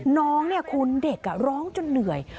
น้องเนี่ยคุณเด็กร้องจนเหนื่อย